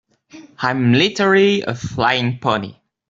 I'm literally a flying pony.